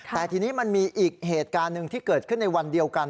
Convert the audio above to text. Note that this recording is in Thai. แต่ทีนี้มันมีอีกเหตุการณ์หนึ่งที่เกิดขึ้นในวันเดียวกัน